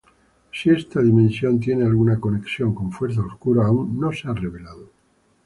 Si esta dimensión tiene alguna conexión con Fuerza Oscura, aún no se ha revelado.